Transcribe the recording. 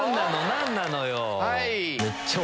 何なのよ？